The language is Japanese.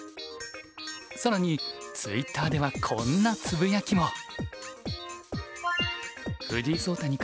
更にツイッターではこんなつぶやきも。